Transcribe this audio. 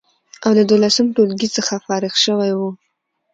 او له دولسم ټولګي څخه فارغ شوی و،